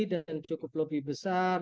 dan cukup lebih besar